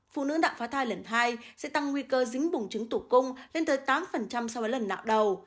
phụ nữ nạo phá thai lần hai sẽ tăng nguy cơ dính bùng trứng tủ cung lên tới tám sau lần nạo đầu